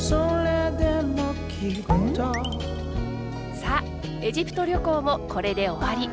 さあエジプト旅行もこれで終わり。